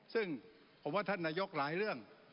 ซึ่งผมว่าท่านนายกหลายเรื่อง